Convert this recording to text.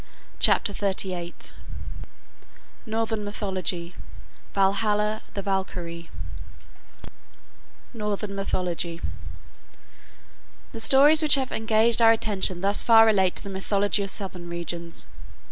CHAPTER XXXVIII NORTHERN MYTHOLOGY VALHALLA THE VALKYRIOR NORTHERN MYTHOLOGY The stories which have engaged our attention thus far relate to the mythology of southern regions.